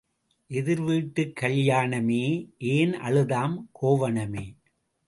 எதிர் வீட்டுக் கல்யாணமே, ஏன் அழுதாம் கோவணமே?